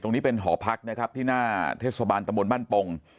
ตรงนี้เป็นหอพักนะครับที่หน้าเทศบาลตะบนบ้านปง